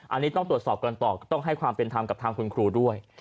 อันนี้ต้องตรวจสอบกันต่อต้องให้ความเป็นธรรมกับทางคุณครูด้วย